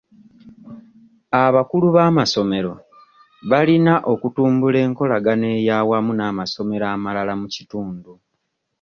Abakulu b'amasomero balina okutumbula enkolagana ey'awamu n'amasomero amalala mu kitundu.